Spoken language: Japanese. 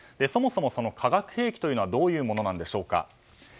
そもそも化学兵器というのはどういうものなんでしょうか。